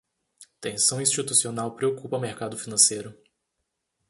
Tensão institucional preocupa mercado financeiro